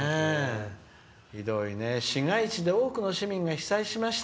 「市街地で多くの市民が被災しました。